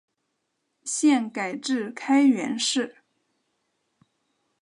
现改置开原市。